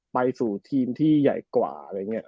ไปสู่ทีมที่ใหญ่กว่า